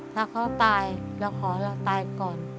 ถ้าเขาตายเราขอเราตายก่อน